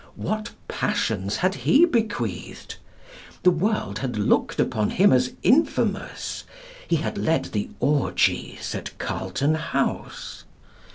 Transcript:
What passions had he bequeathed? The world had looked upon him as infamous. He had led the orgies at Carlton House.